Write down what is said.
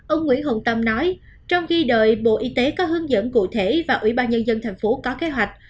ông nguyễn hồng tâm nói trong khi đợi bộ y tế có hướng dẫn cụ thể và ủy ban nhân dân thành phố có kế hoạch